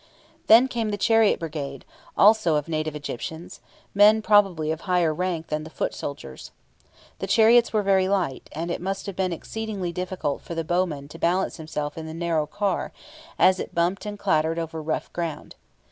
Then came the chariot brigade, also of native Egyptians, men probably of higher rank than the foot soldiers. The chariots were very light, and it must have been exceedingly difficult for the bowman to balance himself in the narrow car, as it bumped and clattered over rough ground.